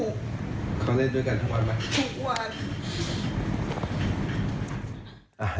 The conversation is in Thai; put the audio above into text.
เขาเล่นด้วยกันทุกวันไหม